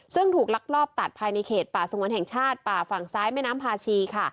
ซึ่งถูกลักลอบตัดภายในเขตป่าสงวนแห่งชาติป่าฝั่งซ้ายแม่น้ำพาชีค่ะ